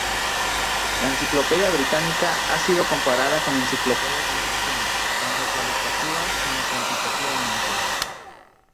La Enciclopedia Británica ha sido comparada con enciclopedias de impresión, tanto cualitativa como cuantitativamente.